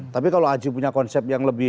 tapi kalau aji punya konsep yang lebih